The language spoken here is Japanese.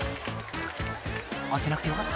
［当てなくてよかった。